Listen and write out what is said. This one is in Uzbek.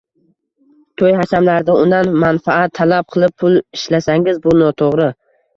To‘y-hashamlarda undan manfaat talab qilib pul ishlasangiz, bu noto‘g‘ri.